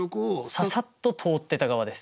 ささっと通ってた側です。